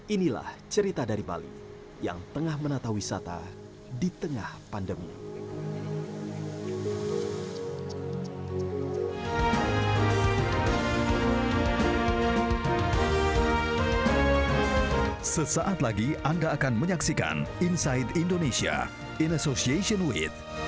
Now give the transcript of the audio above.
inilah cerita dari bali yang tengah menata wisata di tengah pandemi